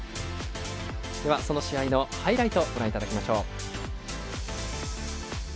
その試合のハイライトをご覧いただきましょう。